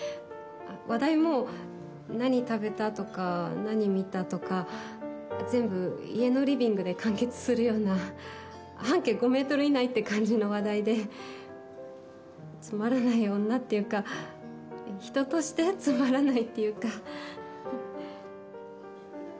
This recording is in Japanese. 話題も何食べた？とか何見た？とか全部、家のリビングで完結するような半径５ｍ以内って感じの話題でつまらない女っていうか人としてつまらないというか。